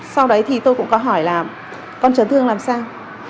sau đấy thì tôi cũng có hỏi là con chấn thương làm sao